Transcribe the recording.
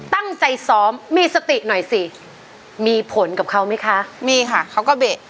ตั้งใจซ้อมมีสติหน่อยสิมีผลกับเขาไหมคะมีค่ะเขาก็เบะ